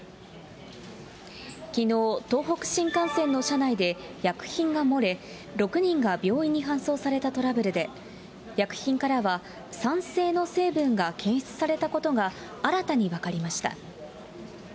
きのう、東北新幹線の車内で、薬品が漏れ、６人が病院に搬送されたトラブルで、薬品から酸性の成分が検出されたことが、新たに分かりました。